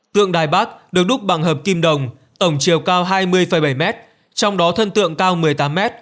tượng đài bắc được đúc bằng hợp kim đồng tổng chiều cao hai mươi bảy m trong đó thân tượng cao một mươi tám m